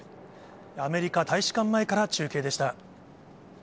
アメリカ大使館前から中継でした。